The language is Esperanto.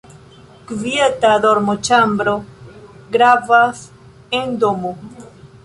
Kvieta dormoĉambro gravas en domo.